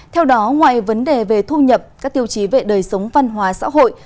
theo đó ngoài vấn đề về thu nhập các tiêu chí về đời sống văn hóa xã hội